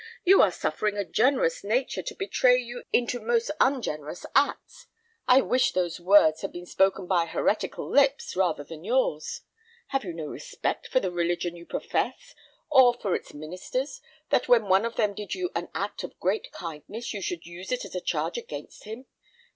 You are suffering a generous nature to betray you into most ungenerous acts. I wish those words had been spoken by heretical lips, rather than yours. Have you no respect for the religion you profess, or for its ministers, that when one of them did you an act of great kindness, you should use it as a charge against him?